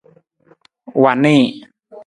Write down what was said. Wa nii.